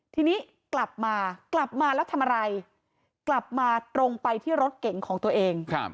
ทีนี้กลับมากลับมาแล้วทำอะไรกลับมาตรงไปที่รถเก๋งของตัวเอง